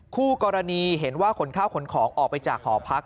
คู่กรณีเห็นว่าขนข้าวขนของออกไปจากหอพัก